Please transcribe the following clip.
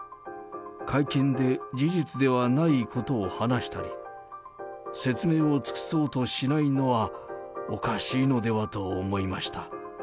会見で事実ではないことを話したり、説明を尽くそうとしないのは、おかしいのではと思いました。